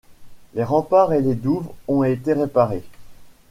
Les remparts et les douves ont été réparés.